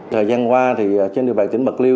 thời gian qua thì trên địa bàn tỉnh bật liêu